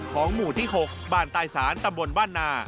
ของหมู่ที่๖บ้านตายศาลตำบลบ้านนา